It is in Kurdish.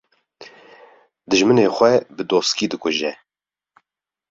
Dijminê xwe bi doskî dikuje